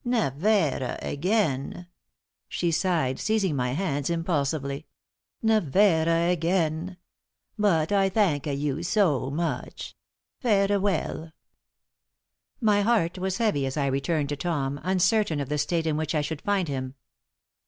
"Nevaire again," she sighed, seizing my hands impulsively. "Nevaire again. But I thanka you so much. Fareawell." My heart was heavy as I returned to Tom, uncertain of the state in which I should find him.